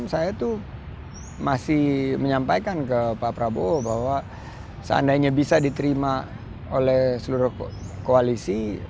saya tuh masih menyampaikan ke pak prabowo bahwa seandainya bisa diterima oleh seluruh koalisi